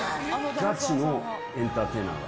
ガチのエンターテイナーが。